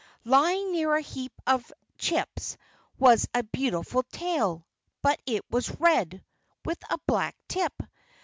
Lying near a heap of chips was a beautiful tail! But it was red, with a black tip.